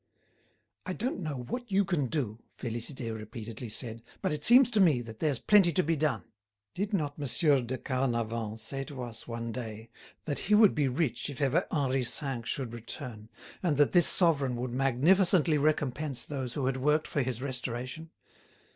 "I don't know what you can do," Félicité repeatedly said, "but it seems to me that there's plenty to be done. Did not Monsieur de Carnavant say to us one day that he would be rich if ever Henri V. should return, and that this sovereign would magnificently recompense those who had worked for his restoration?